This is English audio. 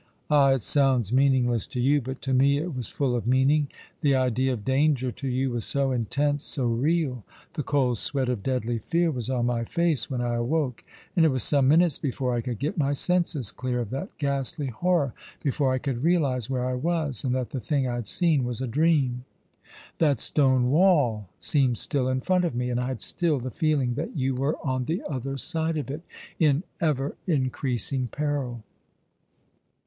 " Ah, it sounds meaningless to you ; but to me it was full of meaning ! The idea of danger to you was so intense — so real. The cold sweat of deadly fear was on my face when I awoke, and it was some minutes before I could get my senses clear of that ghastly horror, before I could realize where I was, and that the thing I had seen was a dream. That stone wall seemed still in front of me, and I had still the feeling that you were on the other side of it, in ever increasing peril."